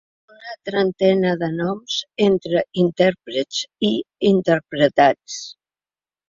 Una trentena de noms entre intèrprets i interpretats.